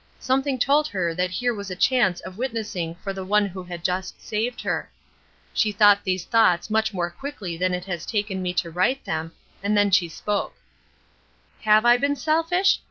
Something told her that here was a chance of witnessing for the one who had just saved her. She thought these thoughts much more quickly than it has taken me to write them, and then she spoke: "Have I been selfish?